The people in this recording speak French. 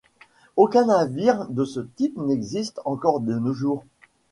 Aucun navire de ce type n'existe encore de nos jours.